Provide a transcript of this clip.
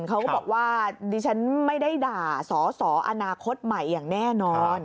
เขาก็บอกว่าดิฉันไม่ได้ด่าสอสออนาคตใหม่อย่างแน่นอน